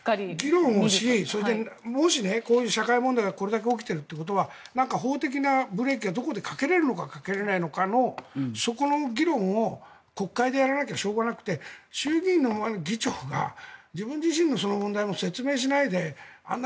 議論をしそしてもしこういう社会問題がこれだけ起きているということは何か法的なブレーキがどこかでかけられるかかけられないかということをそこの議論を国会でやらなきゃしょうがなくて衆議院の議長が自分自身の問題も説明しないであんな